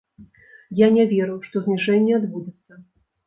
Я не веру, што зніжэнне адбудзецца.